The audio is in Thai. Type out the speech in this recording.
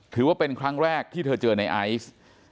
ถือว่าเป็นครั้งแรกที่เธอเจอในไอซ์